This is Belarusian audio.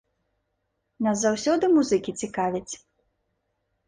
Нас заўсёды музыкі цікавяць.